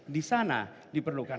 di sana diperlukan